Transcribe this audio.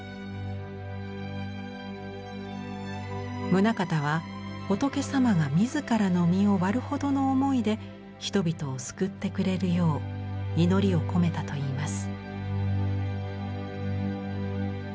棟方は仏様が自らの身を割るほどの思いで人々を救ってくれるよう祈りを込めたといいます。